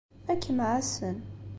Ad kem-ɛassen.